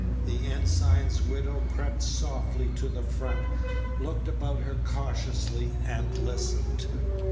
The ensign's widow crept softly round to the front, looked about her cautiously, and listened.